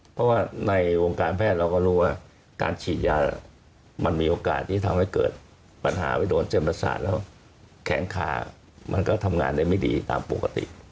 เพราะว่าในวงการแพทย์เราก็รู้ว่าการฉีดยามันมีโอกาสที่ทำให้เกิดปัญหาไปโดนเส้นประสาทแล้วแขนขามันก็ทำงานได้ไม่ดีตามปกติ